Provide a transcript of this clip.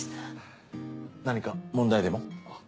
何か問題でも？